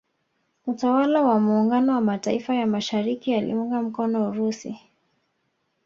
Utawala wa muungano wa Mataifa ya mashariki yaliiunga mkono Urusi